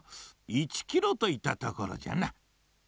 １キロといったところじゃな。